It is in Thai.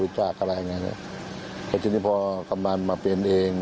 แต่ทีนี้พอกำลังมาเปลี่ยนเอง